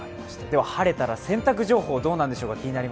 晴れたら洗濯情報どうなるんでしょうか。